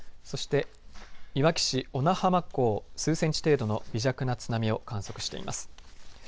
そして、いわき市小名浜港、数センチ程度の微弱な津波を観測しています。